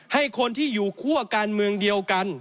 ให้คนที่อยู่คั่วการเมืองเดียวกัน